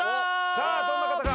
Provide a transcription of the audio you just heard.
さぁどんな方が。